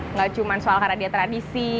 enggak cuman soal karena dia tradisi